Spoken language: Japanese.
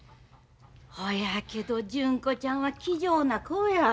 ほやけど純子ちゃんは気丈な子や。